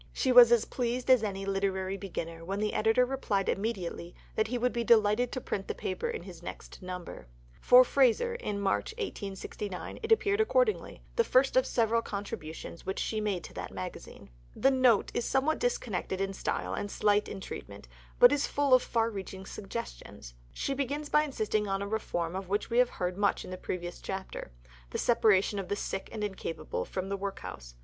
She was as pleased as any literary beginner when the editor replied immediately that he would be delighted to print the paper in his next number. In Fraser for March 1869 it appeared accordingly the first of several contributions which she made to that magazine. The "Note" is somewhat disconnected in style and slight in treatment, but is full of far reaching suggestions. She begins by insisting on a reform of which we have heard much in a previous chapter: the separation of the sick and incapable from the workhouse.